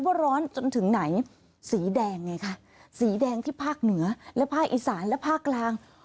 ว่าร้อนจนถึงไหนสีแดงไงคะสีแดงที่ภาคเหนือและภาคอีสานและภาคกลาง